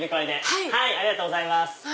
ありがとうございます。